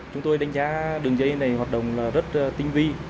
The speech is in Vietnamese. chúng tôi đánh giá đường dây này hoạt động rất tinh vi